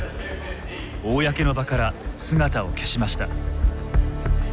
公の場から姿を消しました。